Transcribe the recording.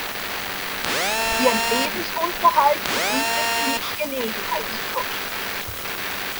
Ihren Lebensunterhalt verdiente sie mit Gelegenheitsjobs.